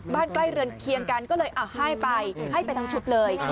ใกล้เรือนเคียงกันก็เลยให้ไปให้ไปทั้งชุดเลย